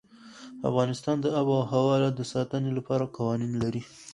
افغانستان د آب وهوا د ساتنې لپاره قوانین لري.